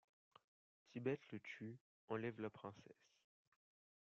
Tibbett le tue, enlève la princesse.